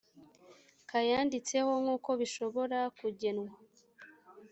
kayanditseho nk uko bishobora kugenwa